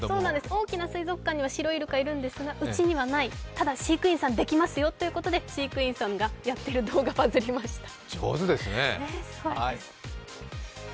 大きな水族館にはシロイルカがいるんですがうちにはない、ただ飼育員さんできますよということで、飼育員さんがやっている動画がバズりました。